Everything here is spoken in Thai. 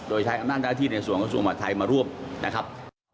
โดยใช้อำนาจหน้าที่ในส่วนกระทรวงมหาดไทยมาร่วมนะครับ